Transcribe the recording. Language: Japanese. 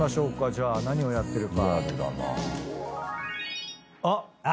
じゃあ何をやってるか。